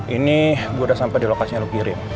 ini gue udah sampai di lokasi yang lo kirim